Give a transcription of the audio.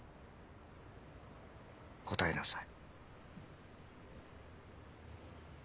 答えなさい。